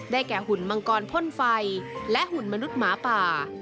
แก่หุ่นมังกรพ่นไฟและหุ่นมนุษย์หมาป่า